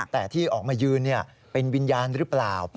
แต่ที่ออกมายืนเป็นวิญญาณหรือเปล่า